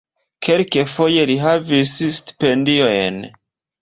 Kelkfoje li havis stipendiojn.